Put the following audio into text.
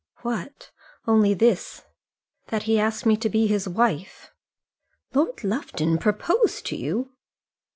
"What? Only this, that he asked me to be his wife." "Lord Lufton proposed to you?"